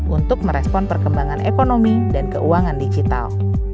untuk merespon perkembangan ekonomi dan keuangan digital